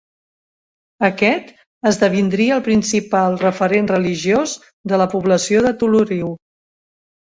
Aquest esdevindria el principal referent religiós de la població de Toloriu.